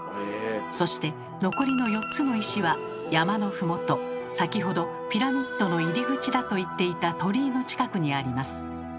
そして残りの４つの石は山の麓先ほどピラミッドの入り口だと言っていた鳥居の近くにあります。